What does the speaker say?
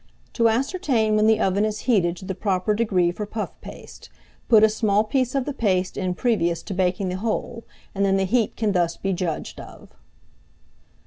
To ascertain when the oven is heated to the proper degree for puff paste, put a small piece of the paste in previous to baking the whole, and then the heat can thus be judged of.